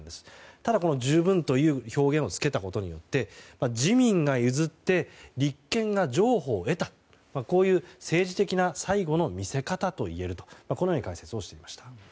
ただ、十分という表現をつけたことで自民が譲って立憲が譲歩を得たという政治的な最後の見せ方といえると解説をしていました。